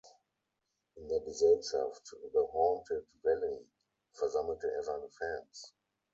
In der Gesellschaft "The Haunted Valley" versammelte er seine Fans.